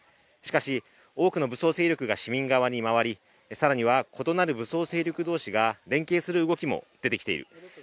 しかし、多くの武装勢力が市民側に回り更には異なる武装勢力同士が連携する動きも出てきている。